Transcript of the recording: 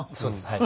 はい。